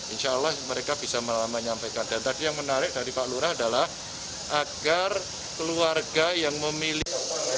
insya allah mereka bisa menyampaikan dan tadi yang menarik dari pak lurah adalah agar keluarga yang memilih